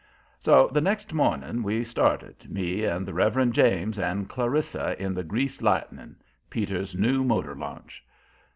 So the next morning we started, me and the Reverend James and Clarissa in the Greased Lightning, Peter's new motor launch.